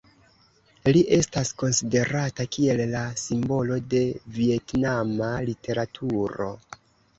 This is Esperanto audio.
Li estas konsiderata kiel la simbolo de vjetnama literaturo.